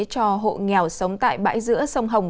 cho hộ nghèo sống tại bãi giữa sông hồng